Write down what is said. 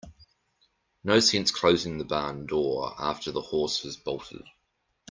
No sense closing the barn door after the horse has bolted.